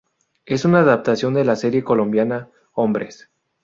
Es una adaptación de la serie colombiana "Hombres".